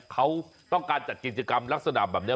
เขาต้องการจัดกิจกรรมลักษณะแบบนี้